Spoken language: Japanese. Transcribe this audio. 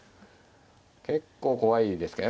結構怖いですけど。